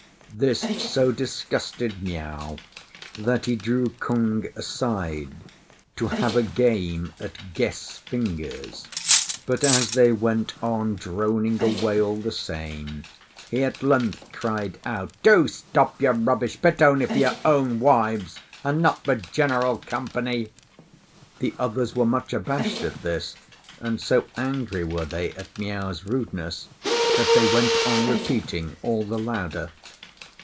This so disgusted Miao that he drew Kung aside to have a game at "guess fingers;" but as they went on droning away all the same, he at length cried out, "Do stop your rubbish, fit only for your own wives, and not for general company." The others were much abashed at this, and so angry were they at Miao's rudeness that they went on repeating all the louder.